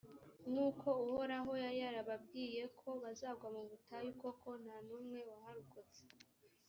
nk’uko uhoraho yari yarababwiye ko bazagwa mu butayu, koko nta n’umwe waharokotse